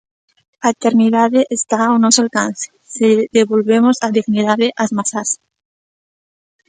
_A eternidade está ao noso alcance, se lle devolvemos a dignidade ás mazás.